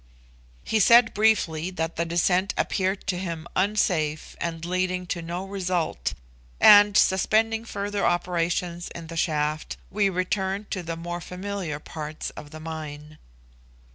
He said briefly that the descent appeared to him unsafe, and leading to no result; and, suspending further operations in the shaft, we returned to the more familiar parts of the mine.